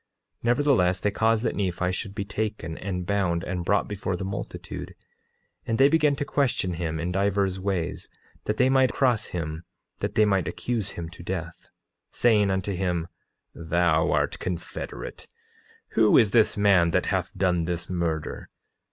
9:19 Nevertheless, they caused that Nephi should be taken and bound and brought before the multitude, and they began to question him in divers ways that they might cross him, that they might accuse him to death— 9:20 Saying unto him: Thou art confederate; who is this man that hath done this murder?